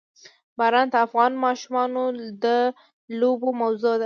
باران د افغان ماشومانو د لوبو موضوع ده.